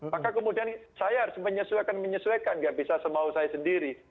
maka kemudian saya harus menyesuaikan menyesuaikan nggak bisa semau saya sendiri